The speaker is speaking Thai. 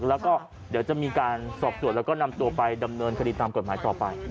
แล้วก็เดี๋ยวจะมีการสอบส่วนแล้วก็นำตัวไปดำเนินคดีตามกฎหมายต่อไป